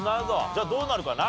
じゃあどうなるかな？